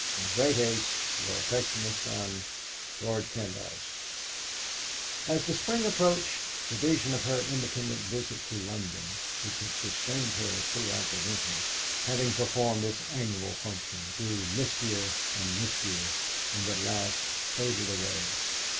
In great haste, "Your affectionate son, "GEORGE PENDYCE." As the spring approached, the vision of her independent visit to London, which had sustained her throughout the winter, having performed its annual function, grew mistier and mistier, and at last faded away.